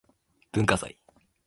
文化祭